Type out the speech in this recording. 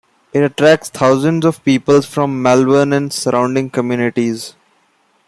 It attracts thousands of people from Malverne and surrounding communities.